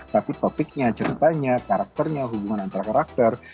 tapi topiknya ceritanya karakternya hubungan antara karakter